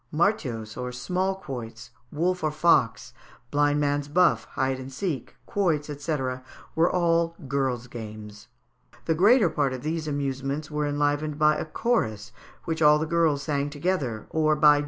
Martiaus, or small quoits, wolf or fox, blind man's buff, hide and seek, quoits, &c., were all girls' games. The greater part of these amusements were enlivened by a chorus, which all the girls sang together, or by dialogues sung or chanted in unison.